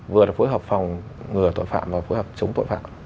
vừa là phối hợp phòng ngừa tội phạm và phối hợp chống tội phạm